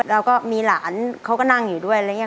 เราก็มีหลานเขาก็นั่งอยู่ด้วยอะไรอย่างนี้